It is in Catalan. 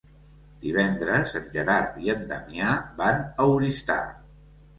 Divendres en Gerard i en Damià van a Oristà.